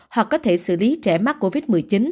hoặc có thể xử lý trẻ mắc covid một mươi chín